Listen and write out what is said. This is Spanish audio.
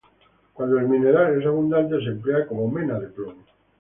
Cuando el mineral es abundante se emplea como mena de plomo.